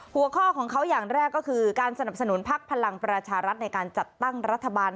หัวข้อของเขาอย่างแรกก็คือการสนับสนุนพักพลังประชารัฐในการจัดตั้งรัฐบาล